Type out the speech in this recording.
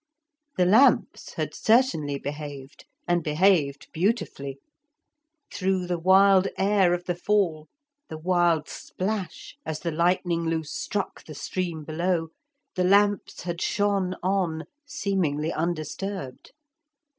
The lamps had certainly behaved, and behaved beautifully; through the wild air of the fall, the wild splash as the Lightning Loose struck the stream below, the lamps had shone on, seemingly undisturbed.